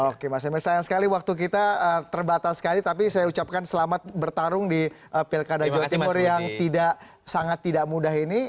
oke mas emil sayang sekali waktu kita terbatas sekali tapi saya ucapkan selamat bertarung di pilkada jawa timur yang tidak sangat tidak mudah ini